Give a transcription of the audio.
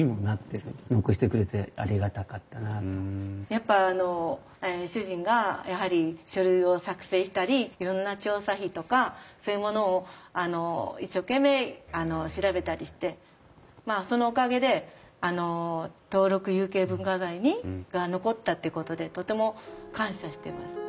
やっぱ主人がやはり書類を作成したりいろんな調査費とかそういうものを一生懸命調べたりしてまあそのおかげであの登録有形文化財に残ったっていうことでとても感謝してます。